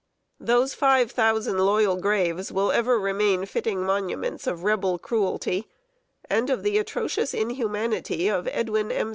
Those five thousand loyal graves will ever remain fitting monuments of Rebel cruelty, and of the atrocious inhumanity of Edwin M.